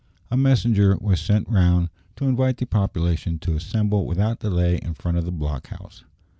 A messenger was sent round to invite the population to assemble without delay in front of the block house.